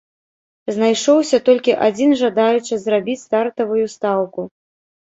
Знайшоўся толькі адзін жадаючы зрабіць стартавую стаўку.